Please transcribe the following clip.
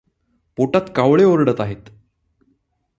पोटात कावळे ओरडत आहेत.